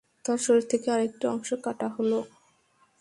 তার শরীর থেকে আরেকটি অংশ কাটা হল।